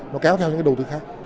nó kéo theo những cái đầu tư khác